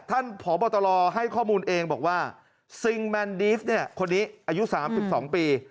ท่านผอบตลอให้ข้อมูลเองบอกว่าซิงมันดีฟคนนี้อายุ๓๒ปี